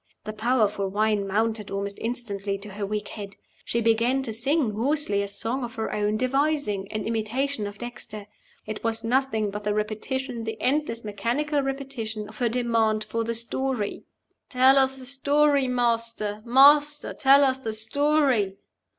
The powerful wine mounted almost instantly to her weak head. She began to sing hoarsely a song of her own devising, in imitation of Dexter. It was nothing but the repetition, the endless mechanical repetition, of her demand for the story "Tell us the story. Master! master! tell us the story!"